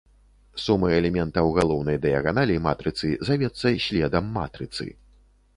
Сума элементаў галоўнай дыяганалі матрыцы завецца следам матрыцы.